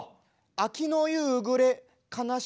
秋の夕暮れ悲しくて。